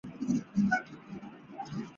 号本院大臣。